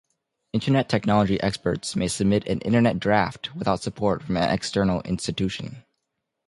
Internet technology experts may submit an Internet Draft without support from an external institution.